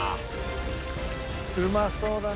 うまそうだな。